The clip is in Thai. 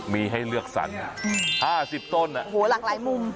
มีให้เลือกสรร๕๐ต้นหลากหลายมุม